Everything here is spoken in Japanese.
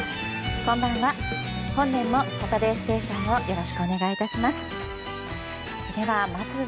こんばんは。